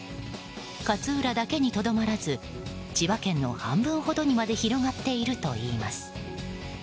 勝浦だけにとどまらず千葉県の半分ほどにまで広がっているといいます。